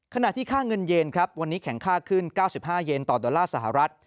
ขณะที่ค่าเงินเย็นครับวันนี้แข็งค่าขึ้น๙๕เยนต่อดอลลาร์สหรัฐ